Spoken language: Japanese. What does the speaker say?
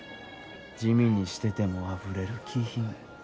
地味にしててもあふれる気品。